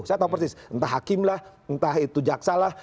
saya tahu persis entah hakim lah entah itu jaksa lah